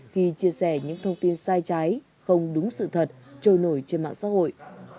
khi chia sẻ những thông tin sai trái không đúng sự thật trôi nổi trên mạng xã hội